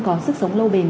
có sức sống lâu bền